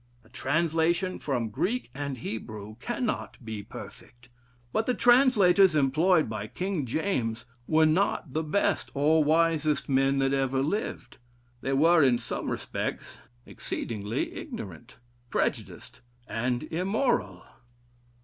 A translation from Greek and Hebrew cannot be perfect. But the translators employed by King James were not the best or wisest men that ever lived. They were, in some respects, exceedingly ignorant, prejudiced, and immoral....